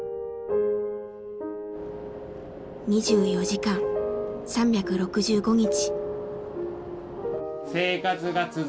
２４時間３６５日。